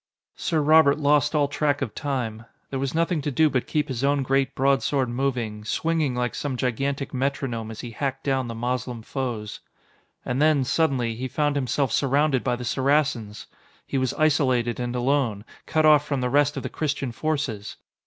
Sir Robert lost all track of time. There was nothing to do but keep his own great broadsword moving, swinging like some gigantic metronome as he hacked down the Moslem foes. And then, suddenly, he found himself surrounded by the Saracens! He was isolated and alone, cut off from the rest of the Christian forces!